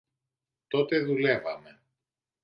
Τότε δουλεύαμε.